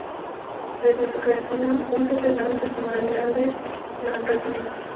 Desde su creación un centenar de personalidades la han recibido.